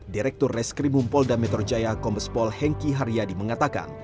direktur reskrimumpol dametor jaya kombespol henki haryadi mengatakan